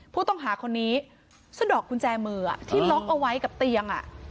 ผู้ต้องหาคนนี้สะดอกกุญแจมือที่ล็อกเอาไว้กับเตียง